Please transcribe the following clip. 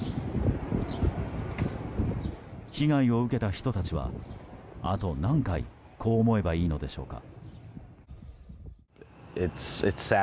被害を受けた人たちは、あと何回こう思えばいいのでしょうか。